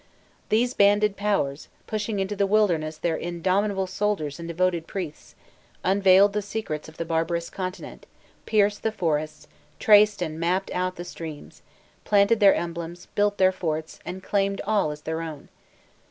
These banded powers, pushing into the wilderness their indomitable soldiers and devoted priests, unveiled the secrets of the barbarous continent, pierced the forests, traced and mapped out the streams, planted their emblems, built their forts, and claimed all as their own.